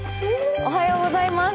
おはようございます。